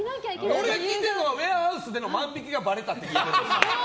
聞いているのはウエアハウスでの万引きがばれたって聞いてる。